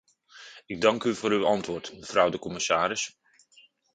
Ik dank u voor uw antwoord, mevrouw de commissaris.